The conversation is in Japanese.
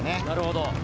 なるほど。